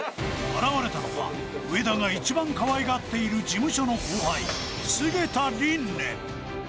現れたのは上田が一番かわいがっている事務所の後輩、菅田琳寧。